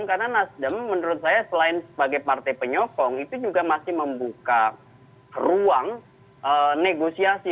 karena nasdem menurut saya selain sebagai partai penyokong itu juga masih membuka ruang negosiasi